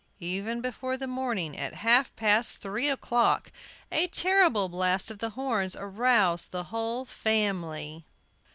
Even before the morning, at half past three o'clock, a terrible blast of the horns aroused the whole family.